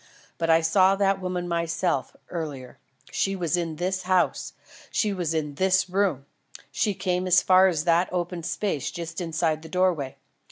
But I saw that woman myself, earlier. She was in this house. She was in this room. She came as far as that open space just inside the doorway.